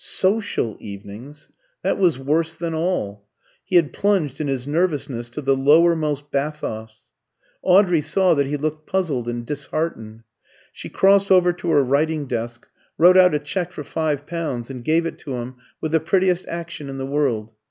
"Social evenings" that was worse than all. He had plunged in his nervousness to the lowermost bathos. Audrey saw that he looked puzzled and disheartened. She crossed over to her writing desk, wrote out a cheque for five pounds, and gave it to him with the prettiest action in the world.